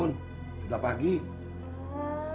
dasar puyul madu